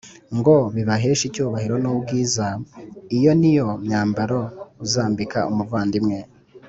ngo bibaheshe icyubahiro n ubwiza j Iyo ni yo myambaro uzambika umuvandimwe